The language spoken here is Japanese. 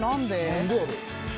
何でやろ？